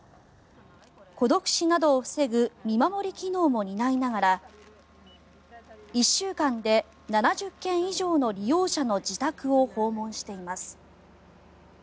孤独死などを防ぐ見守り機能も担いながら１週間で７０軒以上の利用者の自宅を訪問しています。